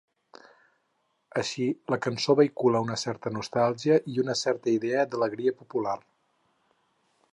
Així la cançó vehicula una certa nostàlgia i una certa idea d'alegria popular.